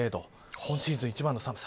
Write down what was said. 今シーズン一番の寒さ。